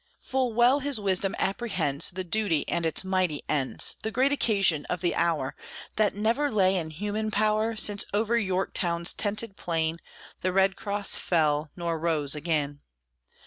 Full well his wisdom apprehends The duty and its mighty ends; The great occasion of the hour, That never lay in human power Since over Yorktown's tented plain The red cross fell, nor rose again.